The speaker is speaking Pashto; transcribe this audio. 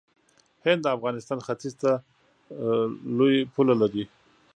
هند د افغانستان ختیځ ته لوی پوله لري.